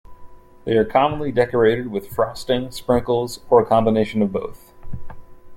They are commonly decorated with frosting, sprinkles, or a combination of both.